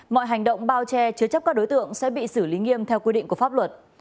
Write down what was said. mọi hành động bao che chứa chấp các đối tượng sẽ bị xử lý nghiêm theo quy định của pháp luật